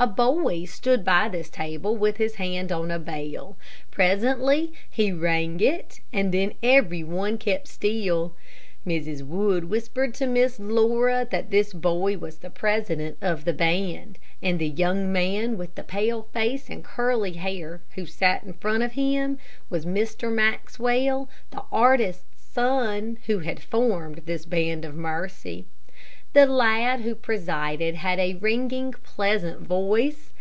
A boy stood by this table with his hand on a bell. Presently he rang it, and then every one kept still. Mrs. Wood whispered to Miss Laura that this boy was the president of the band, and the young man with the pale face and curly hair who sat in front of him was Mr. Maxwell, the artist's son, who had formed this Band of Mercy. The lad who presided had a ringing, pleasant voice.